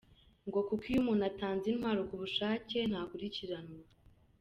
Ngo kuko iyo umuntu atanze intwaro ku bushake ntakurikiranwa.